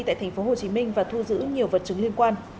tại tp hcm và thu giữ nhiều vật chứng liên quan